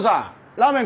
ラーメン